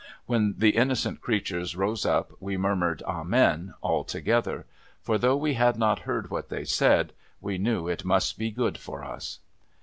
When the innocent creatures rose up, we murmured ' Amen !' all together. For, though we had not heard what they said, we knew it must be good for us.